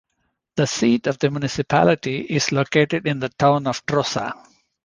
The seat of the municipality is located in the town of Trosa.